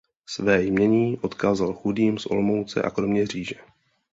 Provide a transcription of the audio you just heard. Své jmění odkázal chudým z Olomouce a Kroměříže.